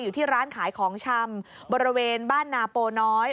อยู่ที่ร้านขายของชำบริเวณบ้านนาโปน้อย